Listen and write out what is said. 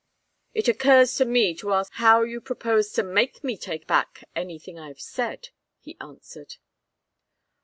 "It occurs to me to ask how you propose to make me take back anything I've said," he answered.